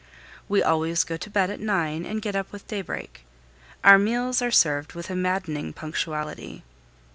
We always go to bed at nine and get up with daybreak. Our meals are served with a maddening punctuality.